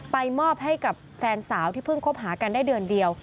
มอบให้กับแฟนสาวที่เพิ่งคบหากันได้เดือนเดียว